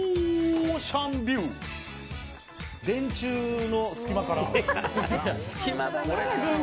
電柱の隙間から。